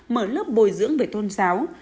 mở lớp bồi dưỡng về tôn giáo